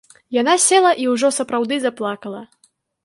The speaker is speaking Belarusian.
Яна села і ўжо сапраўды заплакала.